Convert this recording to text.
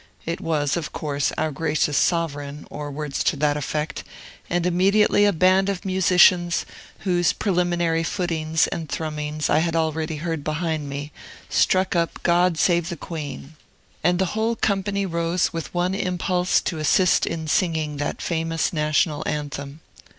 It was, of course, "Our gracious Sovereign," or words to that effect; and immediately a band of musicians, whose preliminary footings and thrummings I had already heard behind me, struck up "God save the Queen," and the whole company rose with one impulse to assist in singing that famous national anthem.